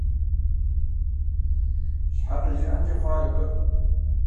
Щхьэ къыжриӀэнкӀэ хъуа ар абы?